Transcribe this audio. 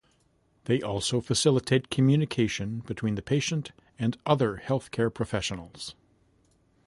They also facilitate communication between the patient and other health care professionals.